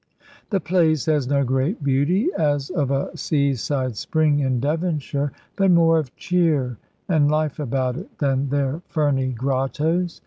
The place has no great beauty, as of a sea side spring in Devonshire, but more of cheer and life about it than their ferny grottoes.